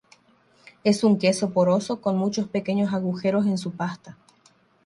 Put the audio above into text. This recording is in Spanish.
Es un queso poroso, con muchos pequeños agujeros en su pasta.